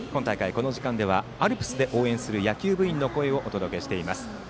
この時間ではアルプスで応援する野球部員の声をお届けしています。